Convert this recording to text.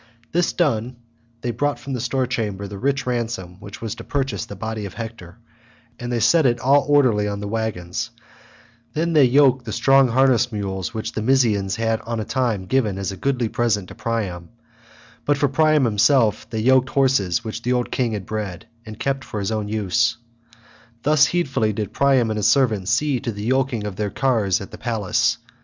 This done, they brought from the store chamber the rich ransom that was to purchase the body of Hector, and they set it all orderly on the waggon; then they yoked the strong harness mules which the Mysians had on a time given as a goodly present to Priam; but for Priam himself they yoked horses which the old king had bred, and kept for his own use. Thus heedfully did Priam and his servant see to the yolking of their cars at the palace.